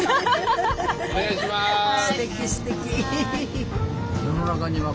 お願いします。